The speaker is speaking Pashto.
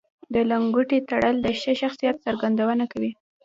د لنګوټې تړل د ښه شخصیت څرګندونه کوي